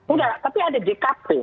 udah tapi ada jkp